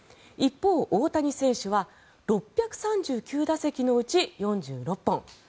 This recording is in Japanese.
一方、大谷選手は６３９打席のうち４６本。